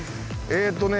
えっとね